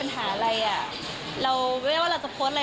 อันนั้นตอนเดี๋ยวเราไป